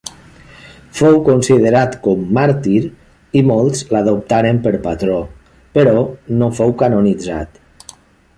Fou considerat com màrtir, i molts l'adoptaren per patró, però no fou canonitzat.